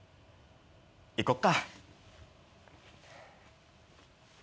行こっか。